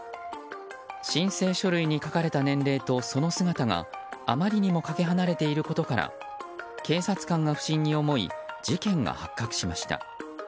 申請書類に書かれた年齢とその姿があまりにもかけ離れていることから警察官が不審に思い事件が発覚しました。